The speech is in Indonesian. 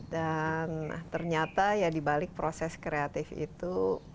dan ternyata ya dibalik proses kreatif itu